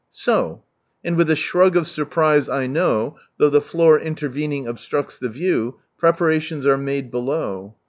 "So!" And with a shrug of surprise I know, though the floor intervening obstructs the view, preparations are made below.